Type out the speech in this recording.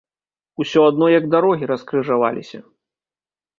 Усё адно як дарогі раскрыжаваліся!